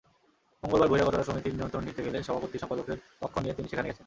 মঙ্গলবার বহিরাগতরা সমিতির নিয়ন্ত্রণ নিতে গেলে সভাপতি-সম্পাদকের পক্ষ নিয়ে তিনি সেখানে গেছেন।